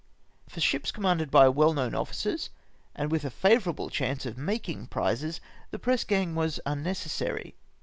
For ships commanded by well kno^vn officers, and with a favour able chance of making prizes, the press gang was un necessary.